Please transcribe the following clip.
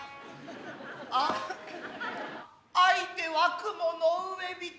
相手は雲の上人